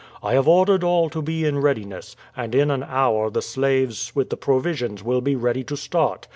I have ordered all to be in readiness, and in an hour the slaves with the provisions will be ready to start.